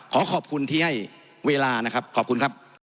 ขอขอบคุณที่ให้เวลานะครับขอบคุณครับ